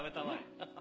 ハハハ。